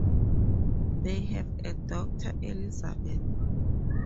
They have a daughter, Elizabeth.